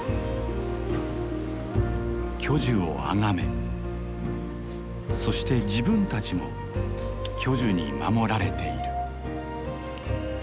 巨樹をあがめそして自分たちも巨樹に守られている。